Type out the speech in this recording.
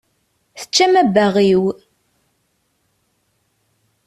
Teččam abbaɣ-iw.